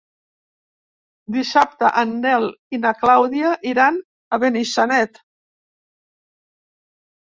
Dissabte en Nel i na Clàudia iran a Benissanet.